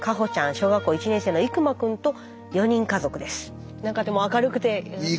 小学校１年生の行馬くんと４人家族です。